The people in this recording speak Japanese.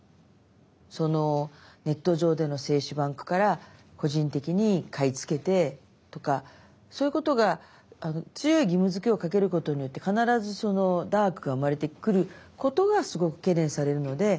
ネット上での精子バンクから個人的に買い付けてとかそういうことが強い義務づけをかけることによって必ずダークが生まれてくることがすごく懸念されるので。